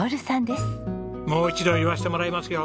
もう一度言わせてもらいますよ。